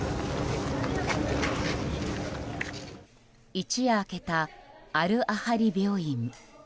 一夜明けたアル・アハリ病院。